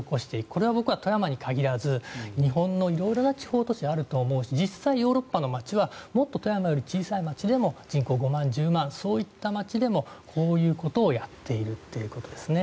これは富山に限らず日本の地方都市であると思うし実際、ヨーロッパの街はもっと富山より小さい街でも人口５万、１０万という街でもこういうことをやっているということですね。